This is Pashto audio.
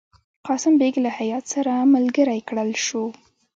قاسم بیګ له هیات سره ملګری کړل شو.